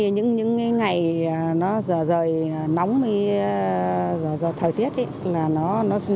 những ngày nó dở dời nóng dở dời thời tiết nó sụp lên hôi thối lắm